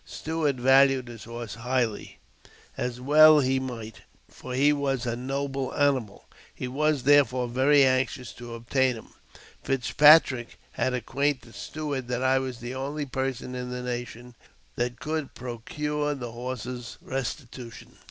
Stuart valued his horse highly, as well he might, for he was a noble animal : he was, therefore, very anxious to obtain him. Fitzpatrick had acquainted Stuart that I was the only person in the nation that could procure the horse's restitution.